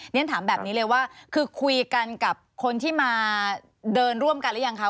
ฉันถามแบบนี้เลยว่าคือคุยกันกับคนที่มาเดินร่วมกันหรือยังคะ